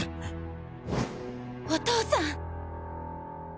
お父さん！！